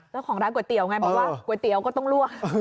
เจ้าของร้านก๋วยเตี๋ยวไงบอกว่าก๋วยเตี๋ยวก็ต้องลวก